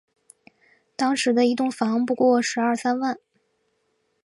当时一栋房不过十二三万